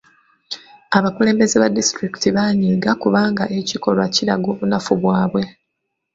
Abakulembeze ba disitulikiti baanyiiga kubanga ekikolwa kiraga obunafu bwabwe.